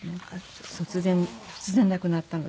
突然突然亡くなったので。